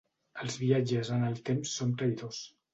Els viatges en el temps són traïdors.